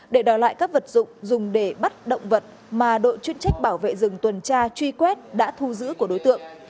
để đòi lại các vật dụng dùng để bắt động vật mà đội chuyên trách bảo vệ rừng tuần tra truy quét đã thu giữ của đối tượng